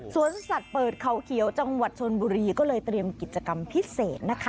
สวนสัตว์เปิดเขาเขียวจังหวัดชนบุรีก็เลยเตรียมกิจกรรมพิเศษนะคะ